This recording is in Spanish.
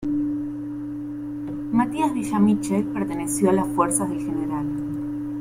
Matías Villa Michel perteneció a las fuerzas del Gral.